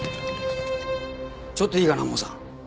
ちょっといいかなモーさん。